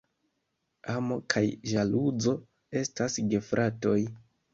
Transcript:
Amo kaj ĵaluzo estas gefratoj.